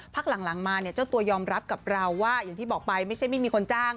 พักหลังมาเนี่ยเจ้าตัวยอมรับกับเราว่าอย่างที่บอกไปไม่ใช่ไม่มีคนจ้าง